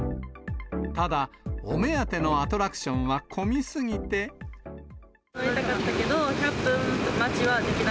ただ、お目当てのアトラクション乗りたかったけど、１００分待ち？